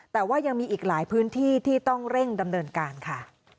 แต่ว่ายังมีอีกหลายพื้นที่ที่ต้องเร่งดำเนินการค่ะ